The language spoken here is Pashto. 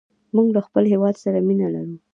موږ له خپل هېواد سره مینه لرو.